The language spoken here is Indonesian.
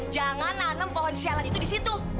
jangan nanam pohon sialan itu di situ